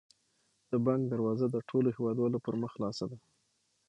د بانک دروازه د ټولو هیوادوالو پر مخ خلاصه ده.